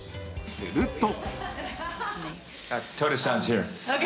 すると。